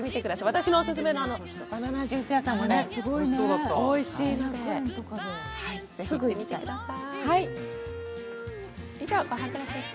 私のオススメのバナナジュース屋さんもおいしいのでぜひ行ってみてください。